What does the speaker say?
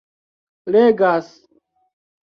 legas